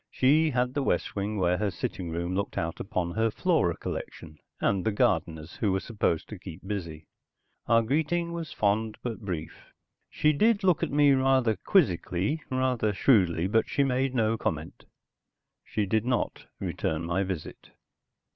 She had the west wing where her sitting room looked out upon her flora collection and the gardeners who were supposed to keep busy. Our greeting was fond, but brief. She did look at me rather quizzically, rather shrewdly, but she made no comment. She did not return my visit.